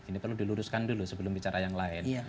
ini perlu diluruskan dulu sebelum bicara yang lain